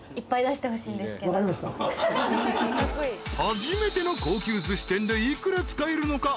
［初めての高級ずし店で幾ら使えるのか？